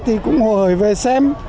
thì cũng hồ hỏi về xem